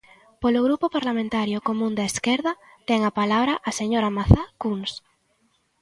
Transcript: Polo Grupo Parlamentario Común da Esquerda, ten a palabra a señora Mazá Cuns.